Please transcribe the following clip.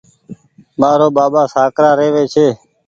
مآرو ٻآٻآ سآڪرآ رهوي ڇي